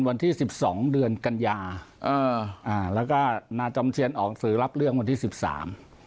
วันที่สิบสองเดือนกันยาเอออ่าแล้วก็นาจอมเทียนออกสื่อรับเรื่องวันที่สิบสาม